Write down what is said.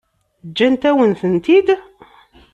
Ǧǧant-awen-tent-id?